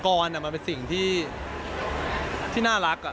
กรมันเป็นสิ่งที่น่ารัก